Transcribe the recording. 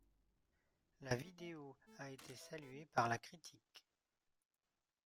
La vidéo a été saluée par la critique.